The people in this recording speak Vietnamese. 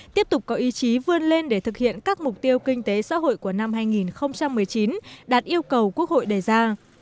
tiếp tục có ý chí vươn lên để thực hiện các mục tiêu kinh tế xã hội của năm hai nghìn một mươi chín đạt yêu cầu quốc hội đề ra